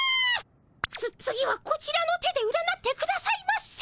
つ次はこちらの手で占ってくださいませ。